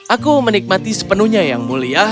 aku menikmati sepenuhnya yang mulia